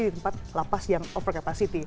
di tempat lapas yang over capacity